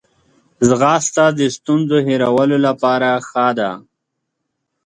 ځغاسته د ستونزو هیرولو لپاره ښه ده